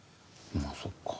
まぁそっか。